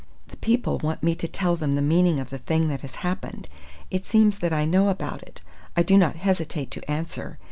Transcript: "The people want me to tell them the meaning of the thing that has happened. It seems that I know about it. I do not hesitate to answer.